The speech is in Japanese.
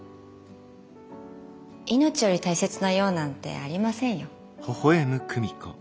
命より大切な用なんてありませんよ。